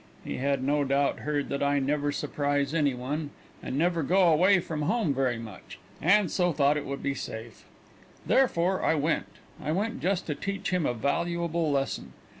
He had no doubt heard that I never surprise any one, and never go away from home very much, and so thought it would be safe. Therefore I went. I went just to teach him a valuable lesson.